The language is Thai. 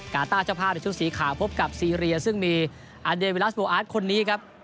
ต้าเจ้าภาพในชุดสีขาวพบกับซีเรียซึ่งมีอันเดวิลัสโบอาร์ตคนนี้ครับ